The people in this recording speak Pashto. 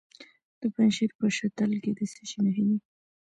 د پنجشیر په شتل کې د څه شي نښې دي؟